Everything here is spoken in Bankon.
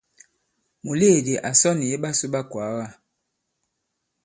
Mùleèdi à sɔ nì iɓasū ɓa ikwàaga.